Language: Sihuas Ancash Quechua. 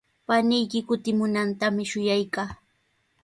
Paniyki kutimunantami shuyaykaa.